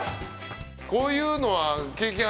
こういうのは経験ありますか？